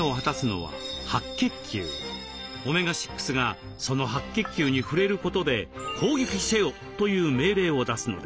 オメガ６がその白血球に触れることで「攻撃せよ」という命令を出すのです。